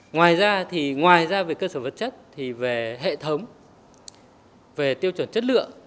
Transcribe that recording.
ngoài ra về cơ sở vật chất về hệ thống về tiêu chuẩn chất lượng